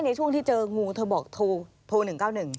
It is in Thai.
ในช่วงที่เจองูเธอบอกโทร๑๙๑